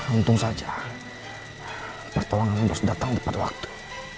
untung saja pertolongan harus datang tepat waktu